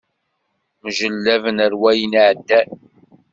Mjellaben ar wayen iɛeddan.